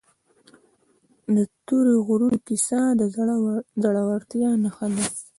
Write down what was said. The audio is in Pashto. د تورې غرونو کیسه د زړه ورتیا نښه ده.